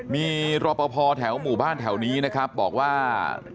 มีรอปภแถวหมู่บ้านแถวนี้นะครับบอกว่า